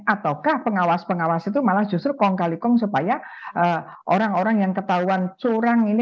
ataukah pengawas pengawas itu malah justru kong kali kong supaya orang orang yang ketahuan curang ini